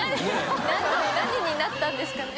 佑А何になったんですかね。